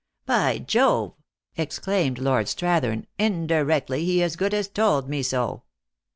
" By Jove !" exclaimed Lord Strathern, " indirectly, he as good as told me so."